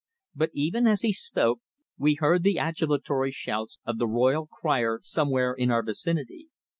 But even as he spoke we heard the adulatory shouts of the royal crier somewhere in our vicinity.